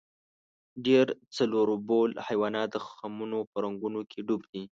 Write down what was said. ډېر څلوربول حیوانان د خمونو په رنګونو کې ډوب دي.